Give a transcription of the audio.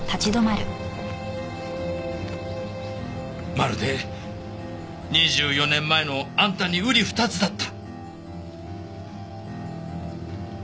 まるで２４年前のあんたに瓜二つだった。